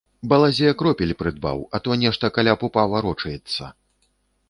Балазе, кропель прыдбаў, а то нешта каля пупа варочаецца.